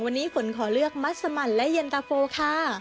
วันนี้ฝนขอเลือกมัสมันและเย็นตะโฟค่ะ